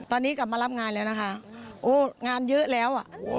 ตอนนี้กลับมารับงานแล้วนะคะโอ้งานเยอะแล้วอ่ะ